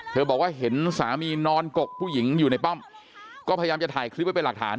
บอกว่าเห็นสามีนอนกกผู้หญิงอยู่ในป้อมก็พยายามจะถ่ายคลิปไว้เป็นหลักฐาน